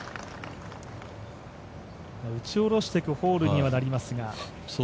打ち下ろしていくホールにはなりますが。